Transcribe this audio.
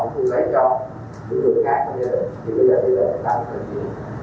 thì tôi lấy được một người